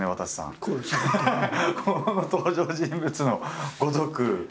この登場人物のごとく。